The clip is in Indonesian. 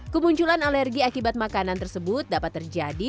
kemunculan alergi akibat makanan tersebut dapat terjadi